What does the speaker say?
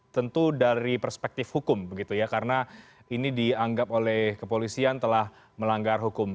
tentu dari perspektif hukum begitu ya karena ini dianggap oleh kepolisian telah melanggar hukum